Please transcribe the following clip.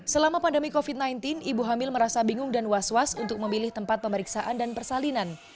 selama pandemi covid sembilan belas ibu hamil merasa bingung dan was was untuk memilih tempat pemeriksaan dan persalinan